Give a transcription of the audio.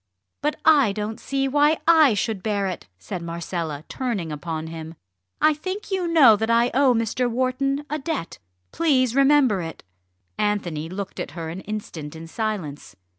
"But I don't see why I should bear it," said Marcella, turning upon him. "I think you know that I owe Mr. Wharton a debt. Please remember it!" Anthony looked at her an instant in silence.